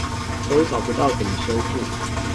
都找不到怎麼修復